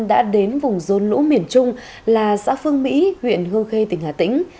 đã đến vùng rôn lũ miền trung là xã phương mỹ huyện hương khê tỉnh hà tĩnh